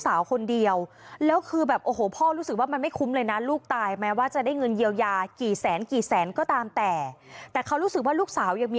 สาวคนเดียวแล้วคือแบบโอ้โหพ่อรู้สึกว่ามันไม่คุ้มเลยนะลูกตายแม้ว่าจะได้เงินเยียวยากี่แสนกี่แสนก็ตามแต่แต่เขารู้สึกว่าลูกสาวยังมี